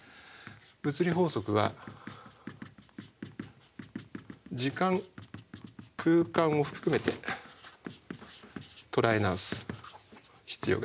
「物理法則は時間・空間を含めてとらえなおす必要がある」と。